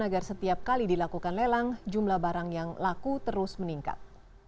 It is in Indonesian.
agar setiap kali dilakukan lelang jumlah barang yang laku terus meningkat